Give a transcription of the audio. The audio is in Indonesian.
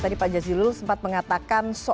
tadi pak jazilul sempat mengatakan soal perubahan